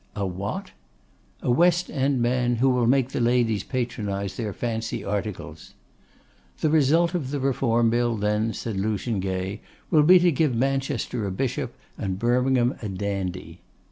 'A what?' 'A West end man, who will make the ladies patronise their fancy articles.' 'The result of the Reform Bill, then,' said Lucian Gay, 'will be to give Manchester a bishop, and Birmingham a dandy.